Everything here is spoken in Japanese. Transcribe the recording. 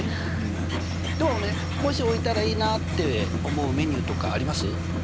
でもねもし置いたらいいなって思うメニューとかあります？